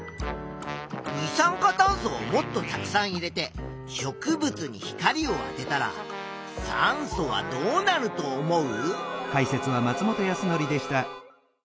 二酸化炭素をもっとたくさん入れて植物に光をあてたら酸素はどうなると思う？